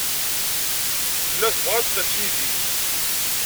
Tella tebɣa ad d-tas yid-i.